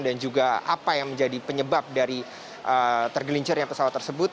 dan juga apa yang menjadi penyebab dari tergelincirnya pesawat tersebut